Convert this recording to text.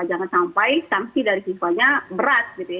jangan sampai sanksi dari fifa nya berat gitu ya